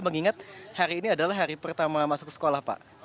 mengingat hari ini adalah hari pertama masuk sekolah pak